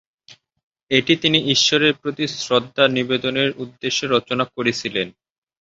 এটি তিনি ঈশ্বরের প্রতি শ্রদ্ধা নিবেদনের উদ্দেশে রচনা করেছিলেন।